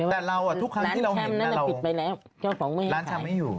แต่เราอ่ะทุกครั้งที่เราเห็นร้านช้ำไม่อยู่